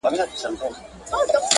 او افغاني سبکونو له ترکيب څخه